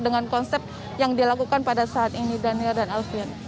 dengan konsep yang dilakukan pada saat ini daniel dan alfian